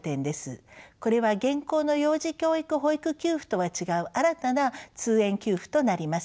これは現行の幼児教育保育給付とは違う新たな通園給付となります。